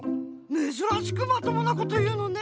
めずらしくまともなこというのね。